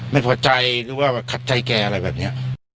ไม่พอใจหรือว่าขัดใจแกอะไรแบบนี้